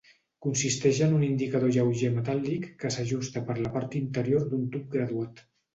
Consisteix en un indicador lleuger metàl·lic que s'ajusta per la part interior d'un tub graduat.